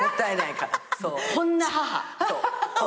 こんな母。